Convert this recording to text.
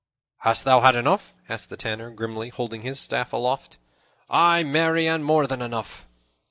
"Hast thou had enough?" asked the Tanner grimly, holding his staff aloft. "Ay, marry, and more than enough."